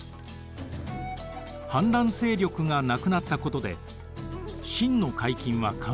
反乱勢力がなくなったことで清の海禁は緩和されました。